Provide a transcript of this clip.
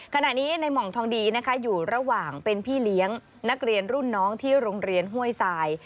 ขณะนี้ในหม่องทองดีนะคะอยู่ระหว่างเป็นพี่เลี้ยงนักเรียนรุ่นน้องที่โรงเรียนห้วยทราย